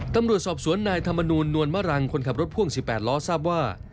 ตำรวจสอบสวนนายธรรมนูลนวลมะรังคนขับรถพ่วง๑๘ล้อทราบว่า